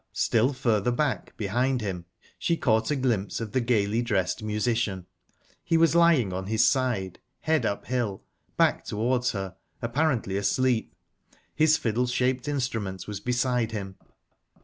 Still further back, behind him, she caught a glimpse of the gaily dressed musician. He was lying on his side, head uphill, back towards her, apparently asleep; his fiddle shaped instrument was beside him.